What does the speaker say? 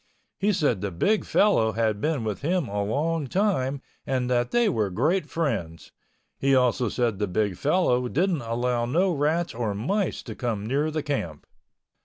He said the big fellow had been with him a long time and that they were great friends. He also said the big fellow didn't allow no rats or mice to come near the camp.